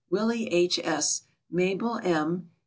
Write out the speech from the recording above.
Willie H. S., Mabel M.